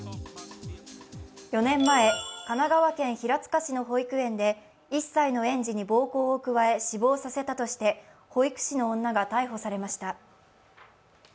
４年前、神奈川県平塚市の保育園で１歳の園児に暴行を加え死亡させたとして保育士の女が逮捕されました。